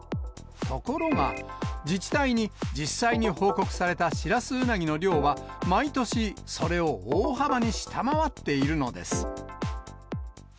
ところが、自治体に実際に報告されたシラスウナギの量は、毎年それを大幅に下回っているのです。